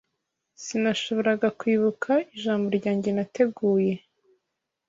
Sinashoboraga kwibuka ijambo ryanjye nateguye